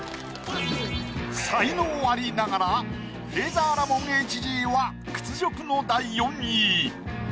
才能アリながらレイザーラモンＨＧは屈辱の第４位。